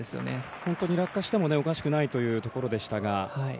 本当に落下してもおかしくないというところでしたが。